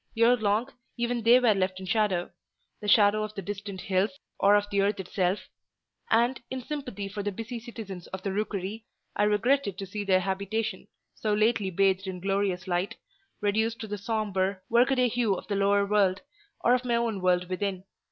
Ere long, even they were left in shadow—the shadow of the distant hills, or of the earth itself; and, in sympathy for the busy citizens of the rookery, I regretted to see their habitation, so lately bathed in glorious light, reduced to the sombre, work a day hue of the lower world, or of my own world within.